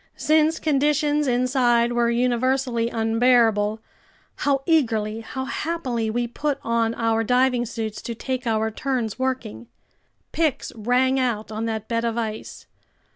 Since conditions inside were universally unbearable, how eagerly, how happily, we put on our diving suits to take our turns working! Picks rang out on that bed of ice.